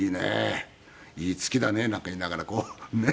いい月だね」なんか言いながらこうねえ。